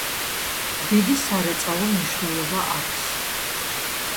დიდი სარეწაო მნიშვნელობა აქვს.